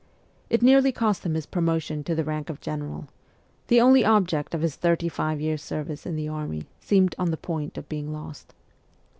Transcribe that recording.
It nearly cost him his pro motion to the rank of general ; the only object of his thirty five years' service in the army seemed on the point of being lost.